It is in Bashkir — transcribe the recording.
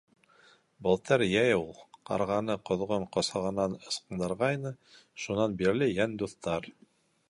Былтыр йәй ул ҡарғаны ҡоҙғон ҡосағынан ысҡындырғайны, шунан бирле йән дуҫтар.